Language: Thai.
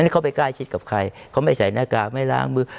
เขาไปใกล้ชิดกับใครเขาไม่ใส่หน้ากากไม่ล้างมือ